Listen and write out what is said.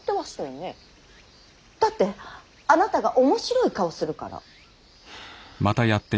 だってあなたが面白い顔するから。